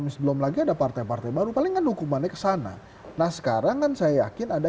misal belum lagi ada partai partai baru palingan hukumannya kesana nah sekarang kan saya yakin ada